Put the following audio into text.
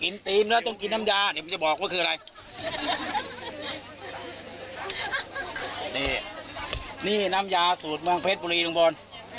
นี่น้ำยาสูตรมองเพชรบุรีลุงพล